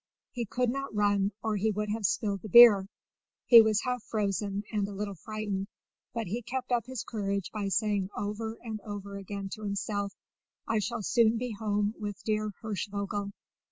He could not run, or he would have spilled the beer; he was half frozen and a little frightened, but he kept up his courage by saying over and over again to himself, "I shall soon be at home with dear Hirschvogel."